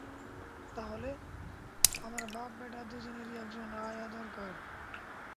তাহলে, আমরা বাপ ব্যাটা দুজনেরই একজন আয়া দরকার!